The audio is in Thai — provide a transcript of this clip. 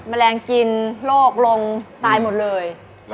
มะแรงกินโรครงตายหมดเลย